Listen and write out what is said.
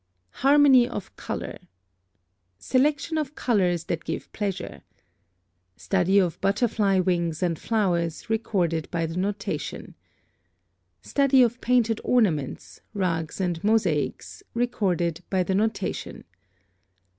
+HARMONY of color.+ (50) Selection of colors that give pleasure. Study of butterfly wings and flowers, recorded by the NOTATION. Study of painted ornament, rugs, and mosaics, recorded by the NOTATION.